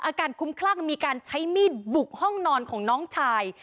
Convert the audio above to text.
อาการคุ้มคลั่งมีการใช้มีดบุกห้องนอนของน้องชาย